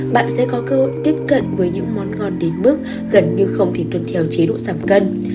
bạn sẽ có cơ hội tiếp cận với những món ngon đến mức gần như không thể tuần thiểu chế độ giảm cân